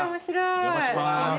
お邪魔します。